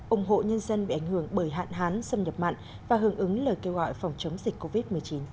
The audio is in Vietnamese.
ủng hộ nhân dân bị ảnh hưởng bởi hạn hán xâm nhập mặn và hưởng ứng lời kêu gọi phòng chống dịch covid một mươi chín